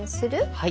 はい。